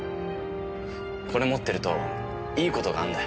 これ持ってるといい事があんだよ。